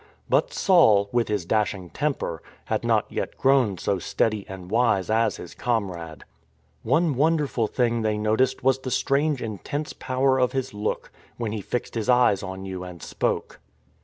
But Saul, with his dashing temper, had not yet grown so steady and wise as his comrade. One wonderful thing they noticed was the strange intense power of his look, when he fixed his eyes on you and spoke.